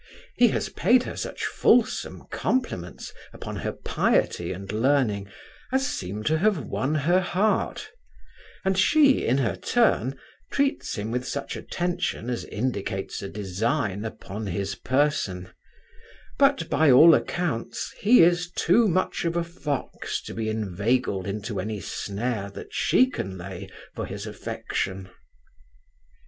He has paid her such fulsome compliments, upon her piety and learning, as seem to have won her heart; and she, in her turn, treats him with such attention as indicates a design upon his person; but, by all accounts, he is too much of a fox to be inveigled into any snare that she can lay for his affection.